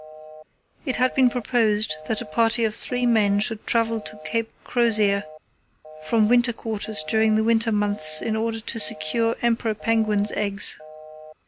It had been proposed that a party of three men should travel to Cape Crozier from winter quarters during the winter months in order to secure emperor penguins' eggs.